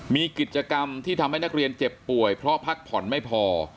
มีกิจกรรมที่ทำให้นักเรียนเจ็บป่วยเพราะพักผ่อนไม่พอ